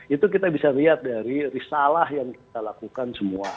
itu kita bisa lihat dari risalah yang kita lakukan semua